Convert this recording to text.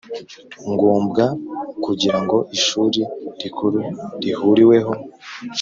Ngombwa kugira ngo ishuri rikuru rihuriweho